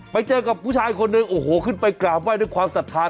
ไปเจอกับผู้ชายคนหนึ่งโอ้โหขึ้นไปกราบไห้ด้วยความศรัทธา